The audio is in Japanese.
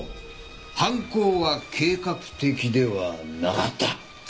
犯行は計画的ではなかった。